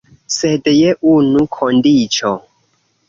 Sed je unu kondiĉo.